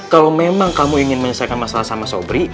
kalau memang kamu ingin menyelesaikan masalah sama sobri